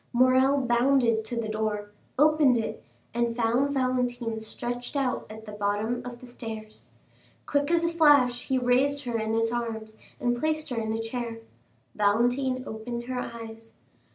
Morrel bounded to the door, opened it, and found Valentine stretched out at the bottom of the stairs. Quick as a flash, he raised her in his arms and placed her in a chair. Valentine opened her eyes.